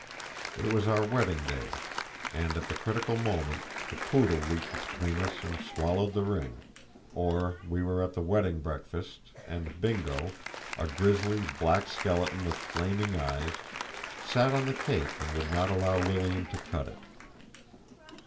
... It was our wedding day, and at the critical moment the poodle leaped between us and swallowed the ring. ... Or we were at the wedding breakfast, and Bingo, a grisly black skeleton with flaming eyes, sat on the cake and would not allow Lilian to cut it.